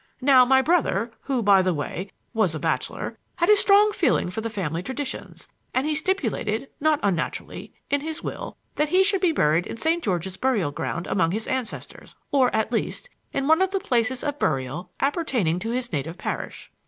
Now, my brother who, by the way, was a bachelor had a strong feeling for the family traditions, and he stipulated, not unnaturally, in his will that he should be buried in St. George's burial ground among his ancestors, or, at least, in one of the places of burial appertaining to his native parish.